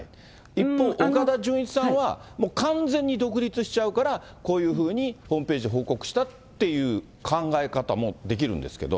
一方、岡田准一さんは、もう完全に独立しちゃうから、こういうふうにホームページ、報告したという考え方もできるんですけど。